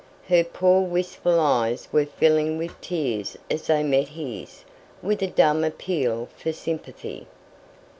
Her poor wistful eyes were filling with tears as they met his, with a dumb appeal for sympathy.